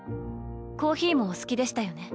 コーヒーもお好きでしたよね？